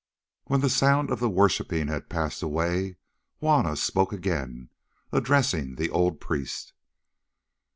When the sound of the worshipping had passed away Juanna spoke again, addressing the old priest.